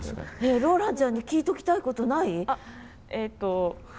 ローランちゃんに聞いときたいことない？